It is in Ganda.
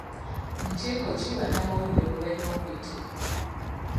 Nkiiko ki bannamawulire mwe balina okuyitibwa?